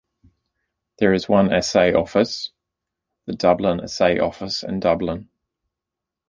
There is one assay office, the Dublin Assay Office in Dublin.